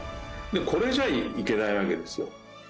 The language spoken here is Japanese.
これじゃいけないわけですよ。